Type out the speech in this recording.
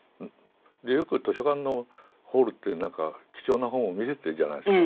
でよく図書館のホールってなんか貴重な本を見せてるじゃないですか。